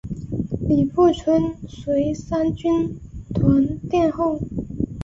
李富春随三军团殿后。